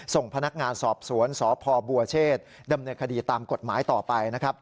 ส่งพนักงานสอบสวนสพบัวเชษดำเนินคดีตามกฎหมายต่อไปนะครับ